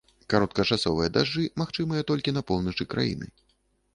Кароткачасовыя дажджы магчымыя толькі на поўначы краіны.